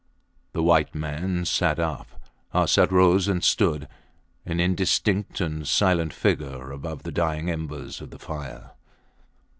The white man sat up. Arsat rose and stood, an indistinct and silent figure above the dying embers of the fire.